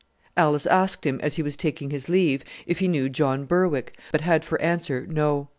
Alice asked him, as he was taking his leave, if he knew John Berwick; but had for answer, No.